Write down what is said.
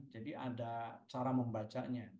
jadi ada cara membacanya